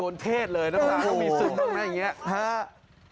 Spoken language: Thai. โดนเผ็ดเลยน้ำตาลต้องมีซึ้งบ้างนะอย่างนี้